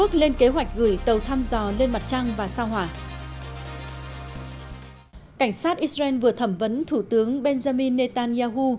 cảnh sát israel vừa thẩm vấn thủ tướng benjamin netanyahu